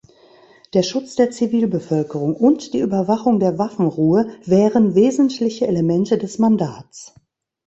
Der Schutz der Zivilbevölkerung und die Überwachung der Waffenruhe wären wesentliche Elemente des Mandats.